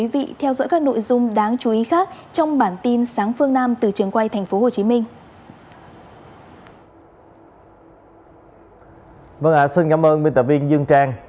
vâng ạ xin cảm ơn minh tạp viên dương trang